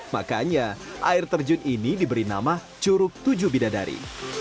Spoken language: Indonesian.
makanya air terjun ini diberi nama curug tujuh bidadari